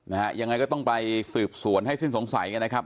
นะฮะยังไงก็ต้องไปสืบสวนให้สิ้นสงสัยกันนะครับ